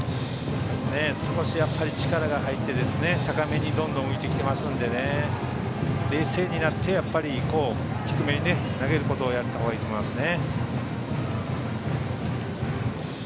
少し力が入って、高めにどんどん浮いてきてますので冷静になって低めに投げることをやったほうがいいと思いますね。